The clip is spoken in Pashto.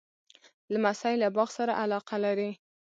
لمسی له باغ سره علاقه لري.